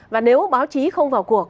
và nếu báo chí không vào cuộc